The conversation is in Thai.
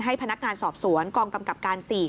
พนักงานสอบสวนกองกำกับการ๔